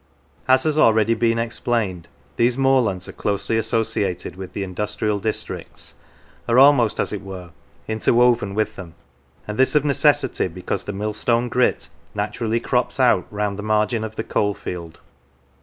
As has already been explained, these moorlands are closely associated with the industrial districts, are almost, as it were, interwoven with them, and this of necessity, because the millstone grit naturally crops out round the margin of the coalfield.